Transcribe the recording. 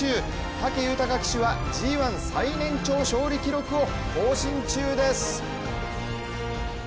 武豊騎手は、ＧⅠ最年長勝利記録を更新中です。